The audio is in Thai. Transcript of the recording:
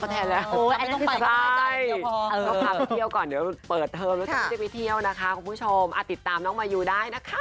ใช่นะคะใช่แล้วค่ะ